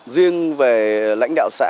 riêng về lãnh đạo xã